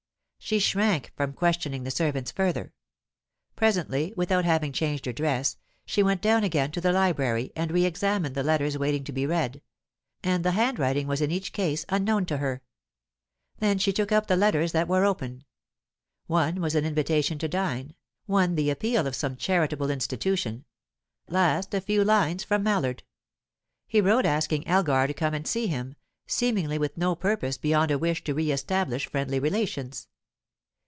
She shrank from questioning the servants further. Presently, without having changed her dress, she went down again to the library, and re examined the letters waiting to be read; and the handwriting was in each case unknown to her. Then she took up the letters that were open. One was an invitation to dine, one the appeal of some charitable institution; last, a few lines from Mallard. He wrote asking Elgar to come and see him seemingly with no purpose beyond a wish to re establish friendly relations.